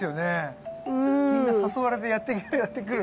みんな誘われてやって来る。